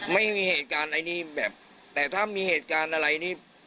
ไม่มีเหตุการณ์อันนี้แบบแต่ถ้ามีเหตุการณ์อะไรนี่